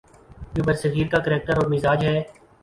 جو برصغیر کا کریکٹر اور مزاج ہے۔